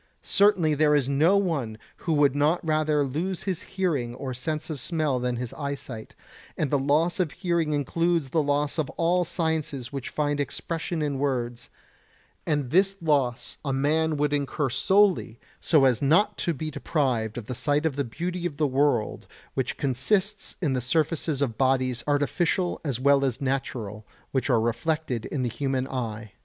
Certainly there is no one who would not rather lose his hearing or his sense of smell than his eyesight, and the loss of hearing includes the loss of all sciences which find expression in words; and this loss a man would incur solely so as not to be deprived of the sight of the beauty of the world which consists in the surfaces of bodies artificial as well as natural, which are reflected in the human eye.